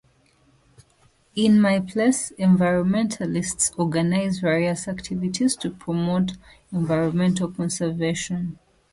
In my place, environmentalists organize various activities to promote environmental conservation.